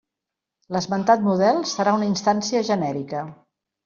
L'esmentat model serà una instància genèrica.